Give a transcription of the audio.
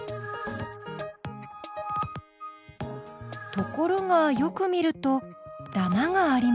ところがよく見ると「だま」があります。